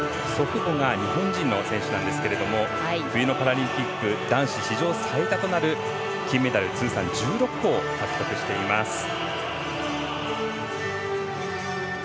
祖父母が日本人の選手なんですが冬のパラリンピック男子史上最多となる金メダル通算１６個を獲得しています。